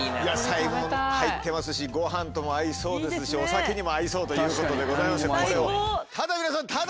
野菜も入ってますしご飯とも合いそうですしお酒にも合いそうということでございますよ。